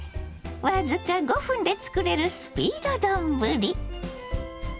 僅か５分で作れるスピード丼。